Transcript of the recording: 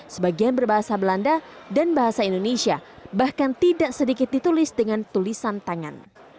sebagian berbahasa belanda dan bahasa indonesia bahkan tidak sedikit ditulis dengan tulisan tangan